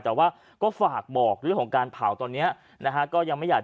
แต่ว่าก็ฝากบอกเรื่องของการเผาตอนนี้นะฮะก็ยังไม่อยาก